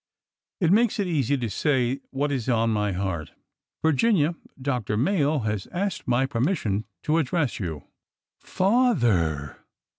It makes it easy to say what is on my heart. Virginia, Dr. Mayo has asked my permission to address you." Father!"